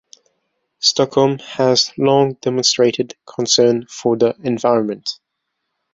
Stockholm has long demonstrated concern for the environment.